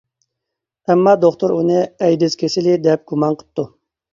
ئەمما دوختۇر ئۇنى ئەيدىز كېسىلى دەپ گۇمان قىپتۇ.